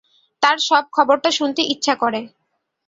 তার সব খবরটা শুনতে ইচ্ছা করে।